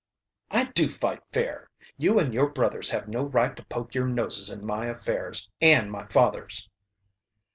"I do fight fair. You and your brothers have no right to poke your noses in my affairs, and my father's."